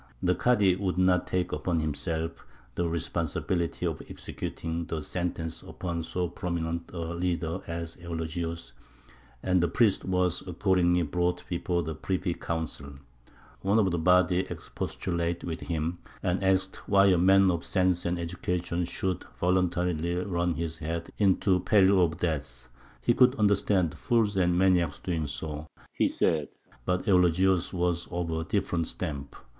The Kādy would not take upon himself the responsibility of executing the sentence upon so prominent a leader as Eulogius, and the priest was accordingly brought before the privy council. One of the body expostulated with him, and asked why a man of sense and education should voluntarily run his head into peril of death; he could understand fools and maniacs doing so, he said, but Eulogius was of a different stamp.